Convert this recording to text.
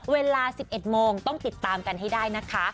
เวลา๑๑โมงต้องติดตามกันให้ได้นะคะ